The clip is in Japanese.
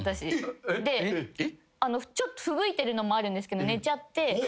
ちょっとふぶいてるのもあるんですけど寝ちゃって。